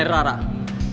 gue yang cari rara